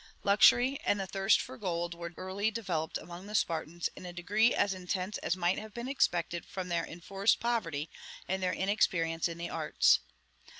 Luxury and the thirst for gold were early developed among the Spartans in a degree as intense as might have been expected from their enforced poverty and their inexperience in the arts.